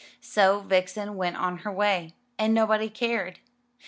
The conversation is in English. So Vixen went her own way, and nobody cared.